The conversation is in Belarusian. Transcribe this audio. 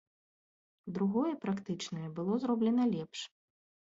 Другое, практычнае, было зроблена лепш.